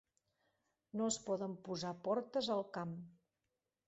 No es poden posar portes al camp.